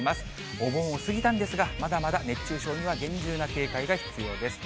お盆を過ぎたんですが、まだまだ熱中症には厳重な警戒が必要です。